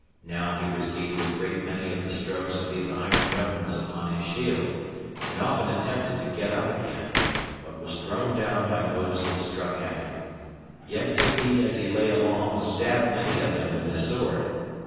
Now he received a great many of the strokes of these iron weapons upon his shield, and often attempted to get up again, but was thrown down by those that struck at him; yet did he, as he lay along, stab many of them with his sword.